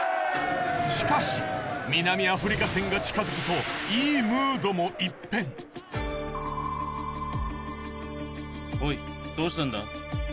しかし南アフリカ戦が近づくといいムードも・おいどうしたんだ？